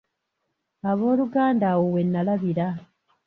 Ab'oluganda awo we nnalabira.